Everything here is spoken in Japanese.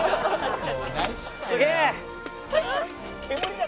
すげえ！